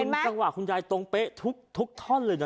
เป็นจังหวะคุณยายตรงเป๊ะทุกท่อนเลยนะ